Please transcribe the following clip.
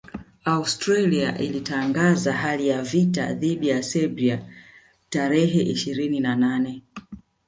Austria ilitangaza hali ya vita dhidi ya Serbia tarehe ishirini na nane